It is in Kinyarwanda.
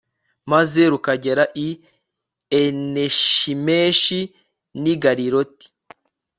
maze rukagera i enishemeshi n'i galiloti